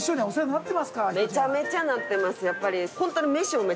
めちゃめちゃなってます。